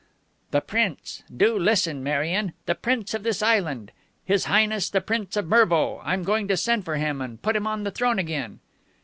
"The Prince. Do listen, Marion. The Prince of this island, His Highness, the Prince of Mervo. I'm going to send for him and put him on the throne again."